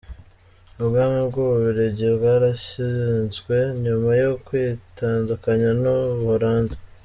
Ubwami bw’u Bubiligi bwarashinzwe nyuma yo kwitandukanya n’u Buholandi.